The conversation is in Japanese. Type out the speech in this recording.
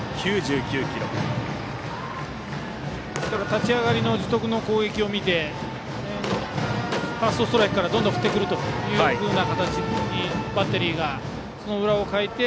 立ち上がりの樹徳の攻撃を見てファーストストライクからどんどん振っていく形でバッテリーがそう思って。